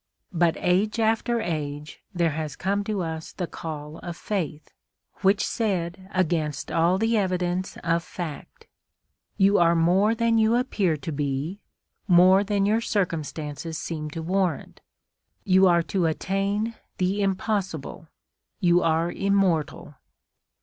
But age after age there has come to us the call of faith, which said against all the evidence of fact: "You are more than you appear to be, more than your circumstances seem to warrant. You are to attain the impossible, you are immortal."